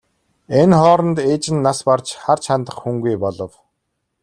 Энэ хооронд ээж нь нас барж харж хандах хүнгүй болов.